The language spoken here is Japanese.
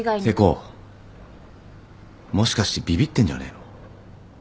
瀬古もしかしてビビってんじゃねえの？